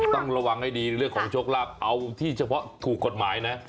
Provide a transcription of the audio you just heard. ต้องระวังให้ดีในเรื่องของโชคลาภเอาที่เฉพาะถูกกฎหมายนะ